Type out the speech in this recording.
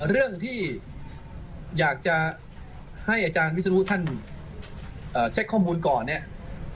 เรื่องที่อยากจะให้อาจารย์วิศนุท่านเช็คข้อมูลก่อนเนี่ย